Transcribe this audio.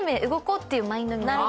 こうっていうマインドに。